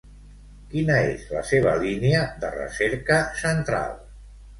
Quina és la seva línia de recerca central?